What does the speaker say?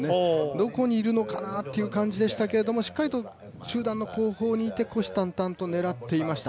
どこにいるのかなという感じでしたけれどもしっかりと集団の後方にいて虎視眈々と狙っていました。